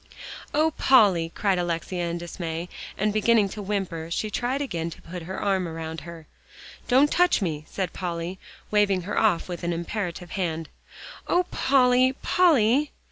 "Oh, Polly!" cried Alexia in dismay, and beginning to whimper, she tried again to put her arm around her. "Don't touch me," said Polly, waving her off with an imperative hand. "Oh, Polly! Polly!"